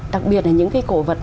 đặc biệt là những cái cổ vật